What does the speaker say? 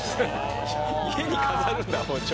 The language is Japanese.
家に飾るんだ包丁。